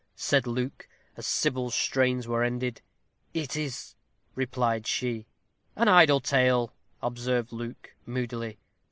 said Luke, as Sybil's strains were ended. "It is," replied she. "An idle tale," observed Luke, moodily.